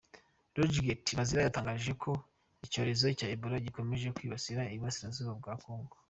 Leodegat Bazira yatangaje ko icyorezo cya Ebola gikomeje kwibasira u Burasirazuba bwa Congo.